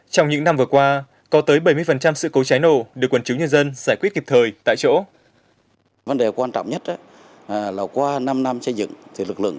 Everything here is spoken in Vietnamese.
trong những năm vừa qua có tới bảy mươi sự cố cháy nổ được quần chúng nhân dân giải quyết kịp thời tại chỗ